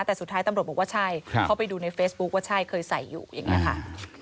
แต่สุดท้ายตำรวจบอกว่าใช่เขาไปดูในเฟซบุ๊คว่าใช่เคยใส่อยู่อย่างนี้ค่ะ